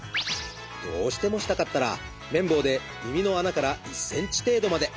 どうしてもしたかったら綿棒で耳の穴から１ｃｍ程度まで。